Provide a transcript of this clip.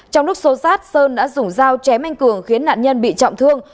trong lúc xô sát sơn đã dùng dao chém anh cường khiến nạn nhân bị trọng thương